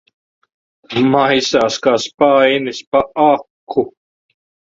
Maisās kā spainis pa aku.